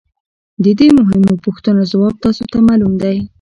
د دې مهمو پوښتنو ځواب تاسو ته معلوم دی